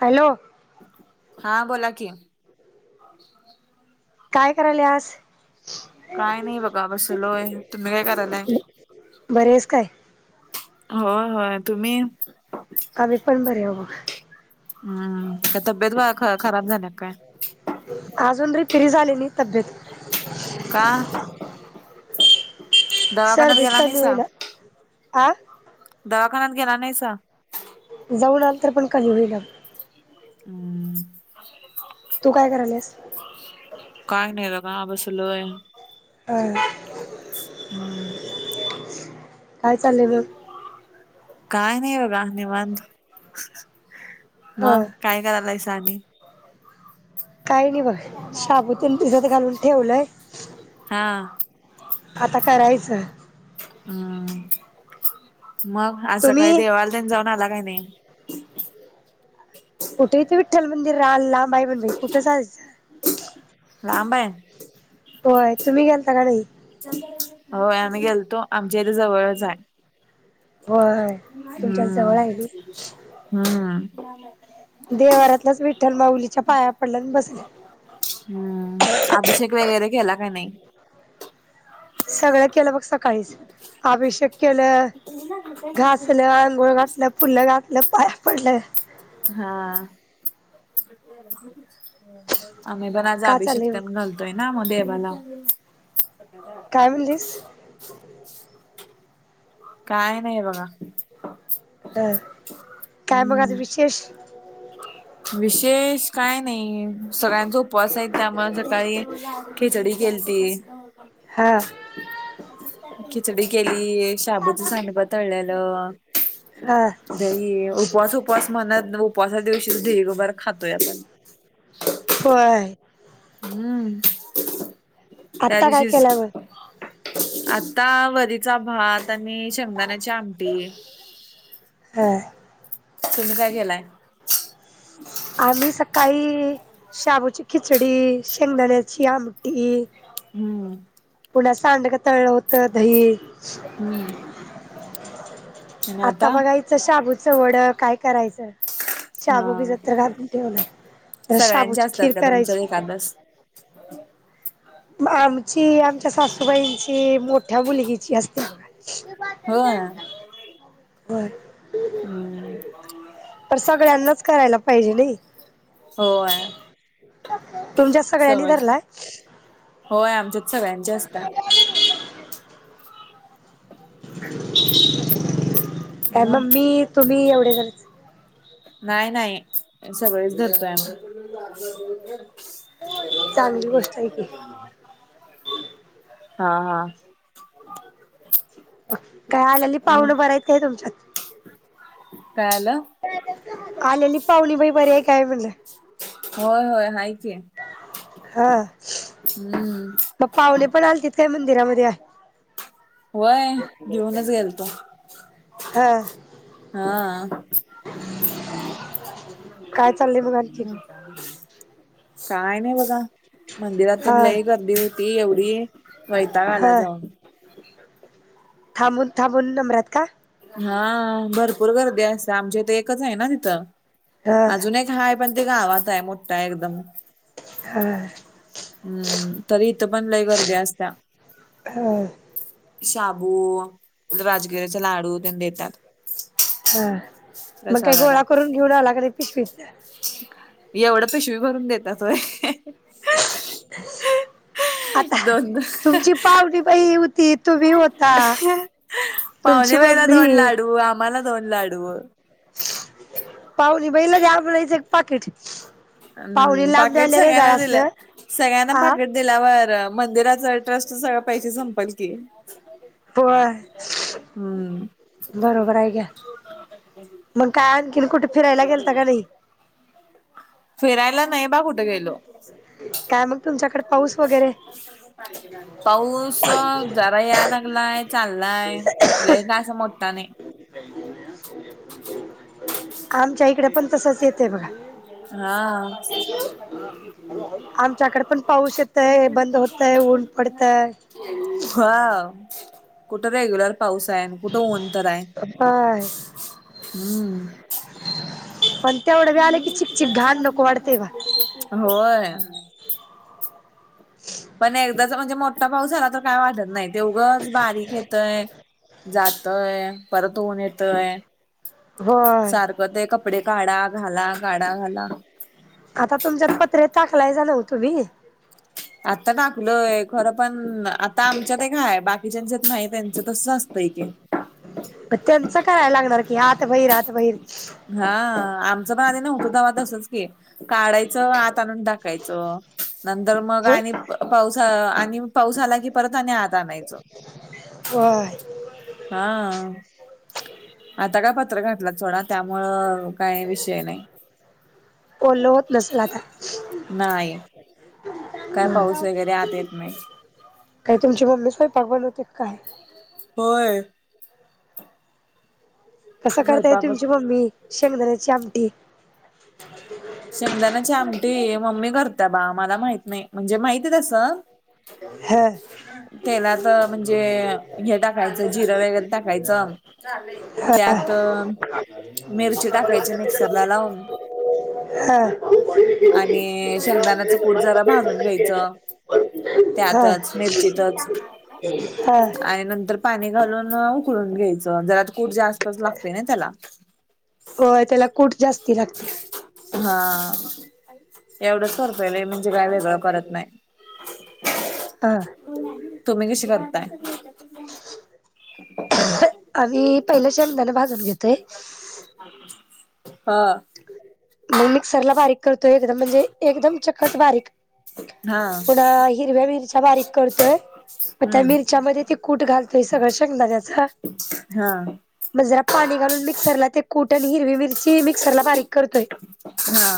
Hello! हा बोला कि. [inaudible] काय करायल्यास? काय नाही बघा बसलोय तुम्ही काय करायलाय? बरी आहेस काय होय होय तुम्ही? आम्ही पण बरे हाव बग. हम्म का तब्येत वा खराब झाल्या काय? अजून रिफिरी झाली नाही तब्येत. का? दवाखान्यात सर्दीच गेला कमी नाहीसा? होईना आ दवाखान्यात गेला नाहीसा? जाऊ आल तरी पण काही होई ना. हम्म. तू काय करायल्यास? काय नाही बघा बसलोय. ह. हम्म. काय चाललंय मग? काय नाय बगा निवांत हा मग? काय करायलायसा आणि? काही नाही बघ. शाबू तेन भिजत घालून ठेवलंय हां. आता कारायचं. हम्म मग आज सकाळी तुम्ही देवाला तेन जाऊन आला का नाही? कुठ हीथ विठ्ठल मंदिर रा आ लांब हाय मा बाई कुठं जायचं? लांब हाय. होय तुम्ही गेलता का नाही? होय आम्ही गेलतो आमच्या इथे जवळच हाय. होय तुमच्या जवळ हम्म आहे नी हम्म. देव्हाऱ्यातल्याच विठ्ठल माउलीच्या पाया पडल्यान बसले. हम्म अभिषेक वगैरे केला का नाही? सगळं केलं बघ सकाळीच अभिषेक केलं घासलं, अंंगोळ घातलं, फुलं घातलं, पाया पडलं. हां. आम्ही पण आज का अभिषेक चाललंय ते न घालतोय ना मग देवाला. काय म्हणलीस? काय नाही बघा ह काय मग आज हम्म. विशेष विशेष काय नाही सगळ्यांच उपवास आहेत त्यामुळ सकाळी खिचडी केलती. हा खिचडी केली, शाबूचं सांडपा तळल्याल. हा दही उपवास उपवास म्हणत उपवासा दिवशीच ढीगबर खातोय आपण. होय हू आता काय केल्यावर आता वरीचा भात आणि शेंगदाण्याची आमटी हा तुम्ही काय केलाय आम्ही सकाळी शाबूची खिचडी शेंगण्याची आमटी हू पुन्हा सांडग तळलं होतं दही हू आता बघायचं शाबूचं वड काय करायचं शाबू हा बिजत तर घालून ठेवलाय तर सगळ्यांचे शाबूची असतात खीर का तुमच्या करायची एखादस म आमची आमच्या सासूबाईंची मोठ्या मुलगीची असत्या बघा ती बॉटल बी होय आणल्या बघा रिकामी हम्म होय पर सगळ्यांनाच करायला पाहिजे नई हो होय तुमच्यात सगळ्यांनी सगळ धरलाय होय आमच्यात सगळ्यांची असत्या अ मग मम्मी तुम्ही एवढे जणच नाही नाही सगळेच धरतोय चांगली आम्ही गोष्ट आहे की [unintelligible] हा हा काय आल्याली मग पाहुण बरेत की नाही तुमच्यात काय आलं आलेली पाहुनी बाई बरी हाय काय म्हणलं होय होय हाय की हा हम्म मग पाहुणे पण आलतीत काय मंदिरामध्ये होय घेऊनच गेलतो हा हा काय चाललंय मग आणखीन काय नई बघा मंदिरात तेन हा लई गर्दी होती येवढी वैताग आला हा जाऊन [inaudible] थांबून थांबून नंबरात का हा भरपूर गर्दी असत्या आमच्या ईत एकच हाय ना तिथं ह अजून एक हाय पण ते गावात हाय मोठ हाय एकदम हा हू तरी इथं पण लई गर्दी असत्या हा शाबू राजगिरी्याचे लाडू तेन देतात हा मग काही प्रसादाला गोळा करून घेऊन आला का नाही पिशवीतन एवढं पिशवी भरून देतात व्हय [inaudible] दोन दोन तुमची पाहुणी बाई होती तुम्ही होता तुमची पावणेबाईला दोन मम्मी लाडू आम्हाला दोन लाडू पवणी बाईला द्या म्हणायचं एक पाकीट हू पाकीट सगळ्यांना दिल सगळ्यांना आ पाकीट दिल्यावर मंदिराच ट्रस्ट सगळ पैस संपल की. होय. हम. बरोबर आहे घ्या. मग काय आणखीन कुठे? फिरायला गेलता का? नाही. फिरायला नाही. बा कुठे गेलो काय? मग तुमच्याकडे पाऊस वगैरे. पाहिजे. पाऊस जरा याय लागलाय चाललाय लय का असा मोठ्ठा नाही. आमच्या इकडे पण तसंच येतेय बघा. हा. आमच्याकडे पण पाऊस येतय बंद होतय ऊन [unintelligible] पडतय हा कुठे? रेग्युलर पाऊस आहे कुठं? उन तर आहे. बाय [unintelligible] हम्म. पण तेवढं व आले की चिकचिक घाण नको वाढते बा. होय पण एकदाचा म्हणजे मोठा पाऊस झाला तर काय वाढत नाही तेऊगच बारीक येतंय. जातोय, परत ऊन येतय. होय. सारखं ते कपडे काढा, घाला काढा, घाला. आता तुमच्यात पत्रे टाकलायच नव तुम्ही. आत्ता टाकलोय खरं पण आमच्यात काय बाकीच्यात नाही त्यां ते तसंच असते की. त्यांच करायला लागणार आत, बहीर, आत बाहेर. हा आमचं पण आधी नव्हत तवा तसंच. काढायचं आत आणून ढाकायचं नंतर मग आणि- पाऊस आणि पाऊसा आला की परत आणि आत आणायचं. होय. हा आता काय पत्र घातलं सोडा त्यामुळं- काही विषय नाही. ओलं होत नसेल आता. नाही. काय पाऊस वगैरे आत येत नाही. काय? तुमची मम्मी स्वयंपाक बनवते का काय? होय. कसं करताय स्वयंपाक तुमची मम्मी शेंगदाण्याची आमटी. शेंगदाणाची आमटी मम्मी करता बा मला माहित नाही म्हणजे माहितीय तसं. हो ह का? तेलात म्हणजे हे टाकायचं जिरं वगैरे टाकायचं. त्यात मिरची टाकायची मिक्सरला लावून. ह आणि शेंगदाण्याचा कुट जरा भाजून घ्यायचं. ह त्यातच मिरचीतच ह आणि नंतर पाणी घालून उकळून घ्यायचं जरता कूठ जास्तच लागते ना त्याला. होय त्याला कूट जास्ती लागते. हा. एवढंच करतोय लई म्हणजे काय वेगळं करत नाही. हा तुम्ही कशी करताय? आम्ही पहिले शेंगदाणे भाजून घेतो, हा मग मिक्सरला बारीक करतो एकदम म्हणजे एकदम चक्कस बारीक. हा पुन्हा हिरव्या मिरच्या बारीक करतोय म त्या हम्म मिरच्यामध्ये त कूठ घालतोय सगळा शेंगदाण्याचा, हा म जरा पाणी घालून मिक्सरला ते कुट आणि हिरवी मि मिक्सरला बारीक करतोय. हा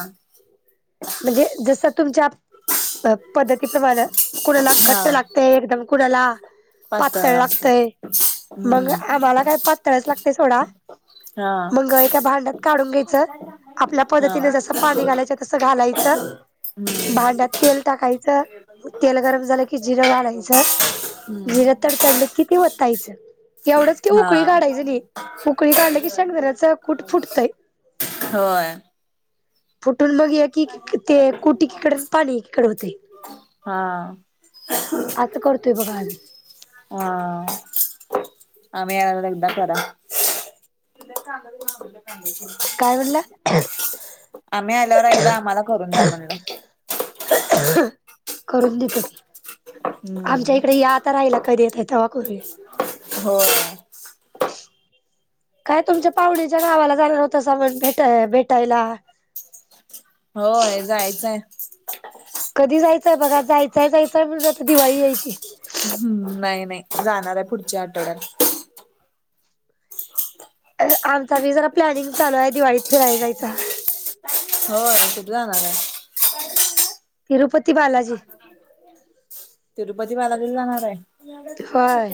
म्हणजे जसं तुमच्या पद्धती, माण कुणाला घट्ट हा लागतंय एकदम कुणाला, पातळ लागतंय मग हम्म आम्हाला काय पातळचं लागतंय सोडा. हा मंग एका भांडात काढून घे‌ आपल्या हा पद्धतीने जसं पाणी घालायचं तसं घालायचं हम्म भांड्यात तेल, तेल गरम झालं की जिरं घालायचं जिर हम्म तड तडलीत कि ती वतायचं. एवढंच की हा उकळी काढायचं नाही उकळी काढली की शेंगदाण्याच कुट फुटतंय. होय. फुटून मग एक एककी ते कुट ऐकीकडं आणि पाणी ऐकीकडं होतंय. हा असं करतोय बघा आम्ही. हा आम्ही आल्यावर एकदा करा. तिला चालंत काय म्हणला? [inaudible] [inaudible] आम्ही आल्यावर एकदा आम्हाला करून द्या म्हणलं. करून देतो की आमच्या हम्म. इकडं या आता राहिला, कधी येत्याय तेवा करूया. होय. काय तुमच्या पाहुणीच्या गावाला जाणार होतसा म्हणं भेटा भेटायला? होय जायचं आहं. कधी जायचंय बघा जायचंय जायचंय म्हणुन आता दिवाळी यायची. हम्म नाही नाही जाणार आहे पुढच्या आठवड्यात. आमचा भी जरा प्लॅनिंग चालू आहे दिवाळीत फिरायला जायचं. होय कुठं जाणार आहं? तिरुपती बालाजी. तिरुपती बालाजीला जाणार आहं? होय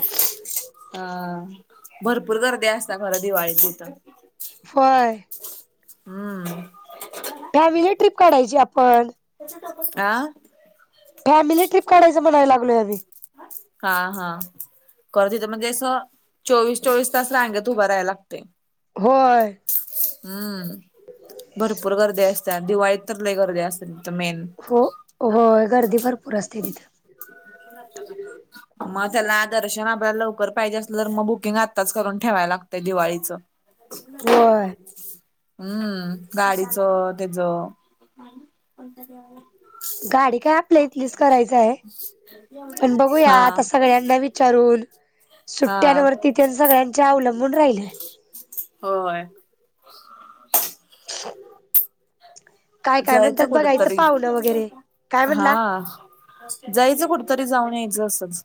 हा भरपूर गर्दी असतीया खरं दिवाळीत तिथं. होय हम्म फॅमिली ट्रिप काढायची आपण. आ फॅमिली ट्रिप काढायची म्हणाय लागलोय आम्ही. हा हा खरं तिथं म्हणजे असं चोवीस चोवीस तास रांगेत उभा राहायला लागतंय. होय. हम्म भरपूर गर्दी असतीया दिवाळीत तर लई गर्दी असलं तिथं मेन. हो होय गर्दी भरपूर असत्या तिथ म त्याला दर्शन आपल्याला लवकर पाहिजे असलं तर म बुकिंग आत्ताच करून ठेवाय लागतय दिवाळीचं होय हू गाडीचं त्यजं गाडी काय आपल्या इथलीच करायचं हाय [inaudible] पण बघूया हा आता सगळ्यांना विचारून हा सुट्ट्यांवरती तेन सगळ्यांच्या अवलंबून राहिलय होय काय काय जायचं म्हणतात कुठं बघायचं तरी पाहुणं वगैरे काय हा म्हणला जायचं कुठतरी जाऊन यायचं असंच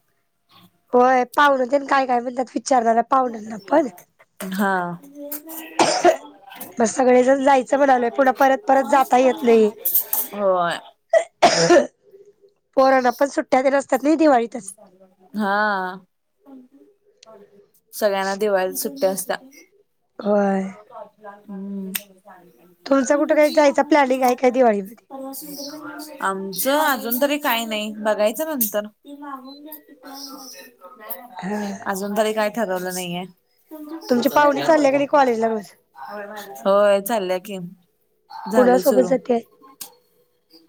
होय पाहून तेन काय काय म्हणत्यात हा [inaudible] म सगळेजण जायचं म्हणालोय पुन्हा परत परत जाता येत नाही होय पोरांना पण सुट्ट्या तेन असत्यात नई दिवाळीत हा सगळ्यांना दिवाळीला सुट्टी असत्या होय हूं तुमचा कुठं काय जायचा प्लॅनिंग हाय काय दिवाळीमध्ये आमचं अजून तरी काय नाही बघायचं नंतर [inaudible] हा अजून तरी काही ठरवलं नाहीये तुमची पाहुणी चालल्या का नाही कॉलेजला रोज होय चालल्या की झालय सुरू कुणासोबत जाते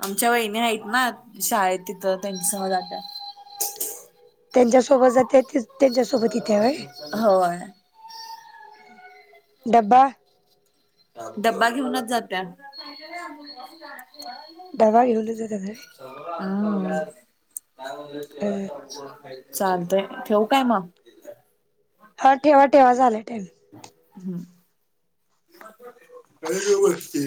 आमच्या वहिणी हाइत ना शाळेत तिथं त्यांच्यासंग जात्यात त्यांच्यासोबत जात्या होय डब्बा डब्बा घेऊनच जात्या डबा घेऊनच जात्यात व्हय व्हय [inaudible] चालतय ठेऊ काय म हा ठेवा ठेवा झालंय टायमिंग हू काय रे वर ते